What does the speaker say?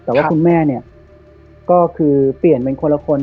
แต่ว่าคุณแม่เนี่ยก็คือเปลี่ยนเป็นคนละคน